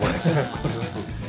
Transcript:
これはそうですね。